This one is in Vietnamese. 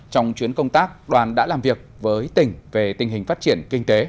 trong chuyến công tác đoàn đã làm việc với tỉnh về tình hình phát triển kinh tế